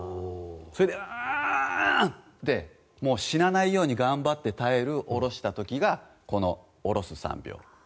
それで、うーん！って死なないように頑張って耐える下ろした時がこの下ろす３秒。